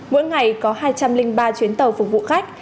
mỗi ngày có hai trăm linh ba chuyến tàu phục vụ khách